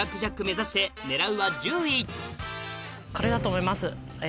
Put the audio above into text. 目指して狙うは１０位これだと思います。